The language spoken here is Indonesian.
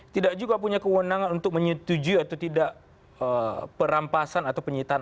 tidak juga punya kewenangan untuk menyetujui atau tidak perampasan atau penyitaan